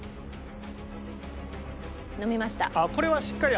飲みました。